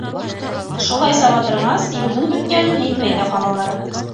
Шулай саба торғас, юлдың бөткәнен һиҙмәй ҙә ҡалалар.